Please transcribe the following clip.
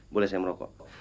boleh saya merokok